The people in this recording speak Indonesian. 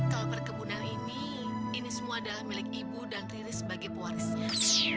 kalau perkebunan ini ini semua adalah milik ibu dan riri sebagai pewarisnya